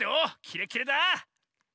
キレッキレだ。